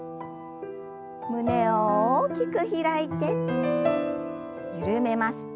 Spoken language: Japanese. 胸を大きく開いて緩めます。